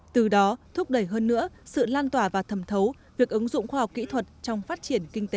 từ đó thúc đẩy hơn nữa sự lan tỏa và thầm thấu việc ứng dụng khoa học kỹ thuật trong phát triển kinh tế